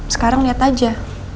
sekarang lihat aja